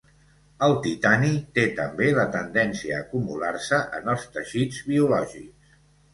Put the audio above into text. El titani té també la tendència a acumular-se en els teixits biològics.